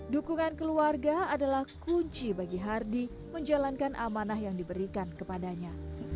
dukungan keluarga adalah kunci bagi hardy menjalankan amanah yang diberikan kepadanya